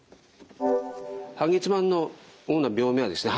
半月板の主な病名はですね